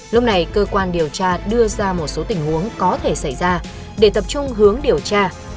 lúc này cơ quan điều tra đưa ra một số tình huống có thể xảy ra để tập trung hướng điều tra